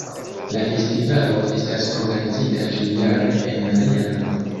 La festivalo estas organizita ĉiujare en alia lando.